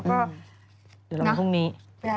เดี๋ยวเรามาพรุ่งนี้